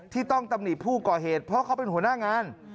ต้องตำหนิผู้ก่อเหตุเพราะเขาเป็นหัวหน้างาน